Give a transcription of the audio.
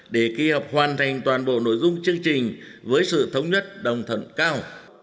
để kỳ họp hoàn thành toàn bộ nội dung chương trình với sự thống nhất đồng thận cao